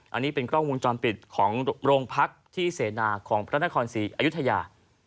อันนี้เป็นกล้องวงจรปิดของโรงพักที่เสนาของพระนครศรีอยุธยา